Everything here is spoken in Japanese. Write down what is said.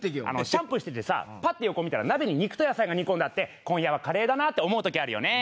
シャンプーしててさパッて横見たら鍋に肉と野菜が煮込んであって今夜はカレーだなって思う時あるよね。